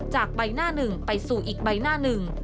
จากใบหน้าหนึ่งไปสู่อีกใบหน้าหนึ่ง